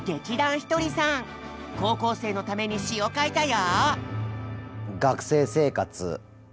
高校生のために詞を書いたよ！